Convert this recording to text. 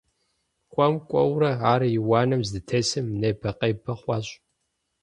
КӀуэм-кӀуэурэ, ар и уанэм здытесым небэ-къебэ хъуащ.